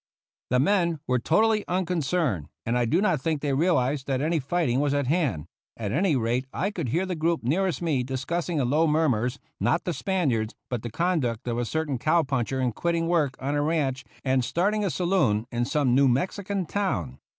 The men were totally unconcerned, and I do not think they realized that any fighting was at hand; at any rate, I could hear the group nearest me discussing in low murmurs, not the Spaniards, but the conduct of a certain cow puncher in quitting work on a ranch and starting a saloon in some New Mexican town.